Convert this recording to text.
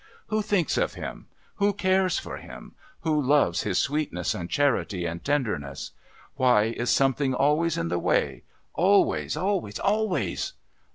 Who thinks of Him, who cares for Him, who loves His sweetness and charity and tenderness? Why is something always in the way, always, always, always?